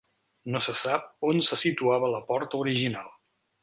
No se sap on se situava la porta original.